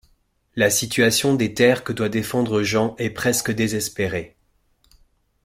La situation des terres que doit défendre Jean est presque désespérée.